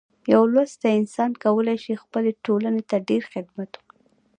یو لوستی انسان کولی شي خپلې ټولنې ته ډیر خدمت وکړي.